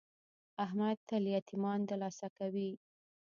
احمد تل یتمیان دلاسه کوي.